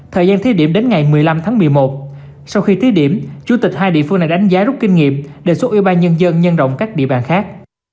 thời gian thiết điểm đến ngày một mươi năm tháng một mươi một sau khi thiết điểm chủ tịch hai địa phương đã đánh giá rút kinh nghiệm đề xuất ubnd nhân rộng các địa bàn khác